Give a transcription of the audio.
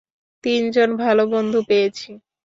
তিনজন ভালো বন্ধু পেয়েছি।